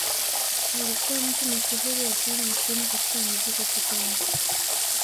Alikuwa mtu mashuhuri wa karne ya ishirini katika muziki wa Kikongo